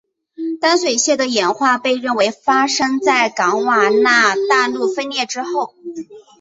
淡水蟹的演化被认为发生在冈瓦纳大陆分裂之后。